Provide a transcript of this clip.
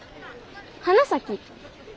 花咲？